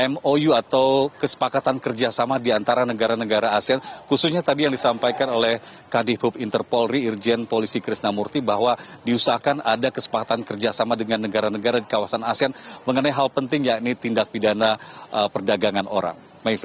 mou atau kesepakatan kerjasama di antara negara negara asean khususnya tadi yang disampaikan oleh kdhub interpolri irjen polisi krisnamurti bahwa diusahakan ada kesepakatan kerjasama dengan negara negara di kawasan asean mengenai hal penting yakni tindak pidana perdagangan orang